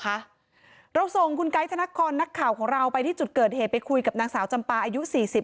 เราส่งคุณไกด์ธนครนักข่าวของเราไปที่จุดเกิดเหตุไปคุยกับนางสาวจำปาอายุสี่สิบ